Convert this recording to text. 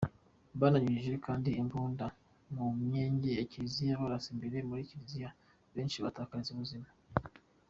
Bananyujije kandi imbunda mu myenge ya Kiliziya barasa imbere muri Kiliziya benshi bahatakariza ubuzima.